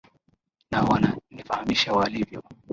na wananifahamisha walivyo